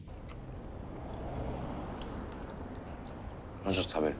もうちょっと食べる？